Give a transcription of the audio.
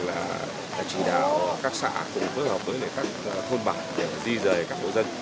là chỉ đạo các xã cùng phối hợp với các thôn bản để di rời các hộ dân